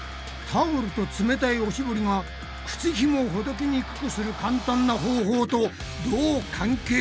タオルと冷たいおしぼりが靴ひもをほどけにくくする簡単な方法とどう関係しているんだ？